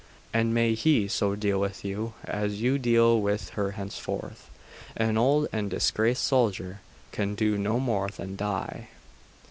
And may He so deal with you as you deal with her henceforth. An old and disgraced soldier can do no more than die.